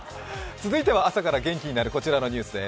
続いては朝から元気になるこちらのニュースです。